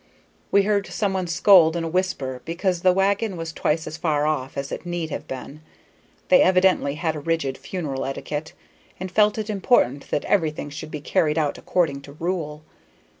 We heard some one scold in a whisper because the wagon was twice as far off as it need have been. They evidently had a rigid funeral etiquette, and felt it important that everything should be carried out according to rule.